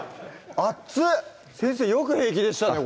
先生よく平気でしたね